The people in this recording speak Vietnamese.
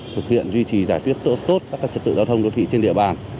thực hiện duy trì giải quyết tốt các trật tự giao thông đô thị trên địa bàn